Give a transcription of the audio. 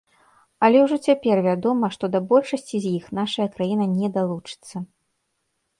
Але ўжо цяпер вядома, што да большасці з іх нашая краіна не далучыцца.